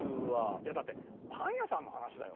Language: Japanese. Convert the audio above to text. いやだってパン屋さんの話だよ。